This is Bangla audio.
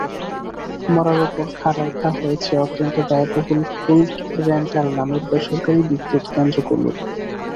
মড়ার উপর খাঁড়ার ঘা হয়েছে অত্যন্ত ব্যয়বহুল কুইক রেন্টাল নামের বেসরকারি বিদ্যুৎকেন্দ্রগুলো।